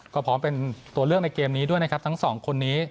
ก็พร้อมเป็นตัวเลือกในเกมนี้ด้วยนะครับทั้งสองคนนี้